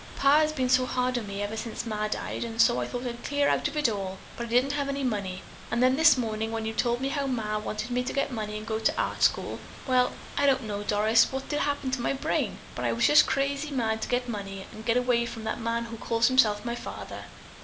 Pa has been so hard on me ever since Ma died, and so I thought I'd clear out of it all, but I didn't have any money. And then this morning, when you told me how Ma wanted me to get money and go to art school, well, I don't know, Doris, what did happen to my brain, but I was just crazy mad to get money and get away from that man who calls himself my father.